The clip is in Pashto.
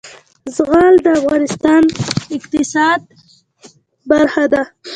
زغال د افغانستان د اقتصاد برخه ده.